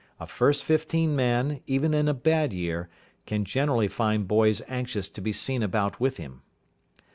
A first fifteen man, even in a bad year, can generally find boys anxious to be seen about with him.